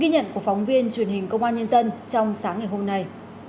ghi nhận của phóng viên truyền hình công an nhân dân trong sáng ngày hôm nay